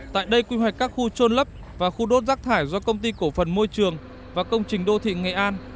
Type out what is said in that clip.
tại đây quy hoạch các khu trôn lấp và khu đốt rác thải do công ty cổ phần môi trường và công trình đô thị nghệ an